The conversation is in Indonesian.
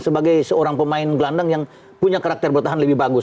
sebagai seorang pemain gelandang yang punya karakter bertahan lebih bagus